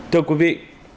thưa quý vị